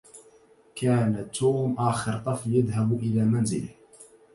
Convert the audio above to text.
كان توم آخر طفل يذهب إلى منزله.